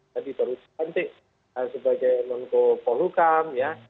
tadi berusaha penting sebagai mentok pol hukum ya